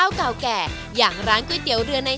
โอเคขอบคุณมากค่ะ